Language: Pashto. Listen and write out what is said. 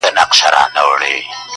o غنمرنگو کي سوالگري پيدا کيږي.